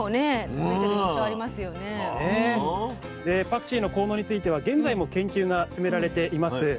でパクチーの効能については現在も研究が進められています。